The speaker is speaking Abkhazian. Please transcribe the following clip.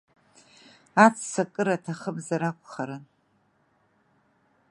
Ацаакыра аҭахымзар акәхарын.